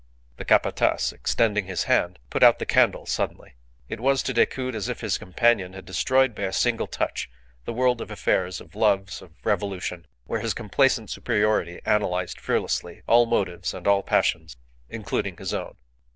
The Capataz, extending his hand, put out the candle suddenly. It was to Decoud as if his companion had destroyed, by a single touch, the world of affairs, of loves, of revolution, where his complacent superiority analyzed fearlessly all motives and all passions, including his own.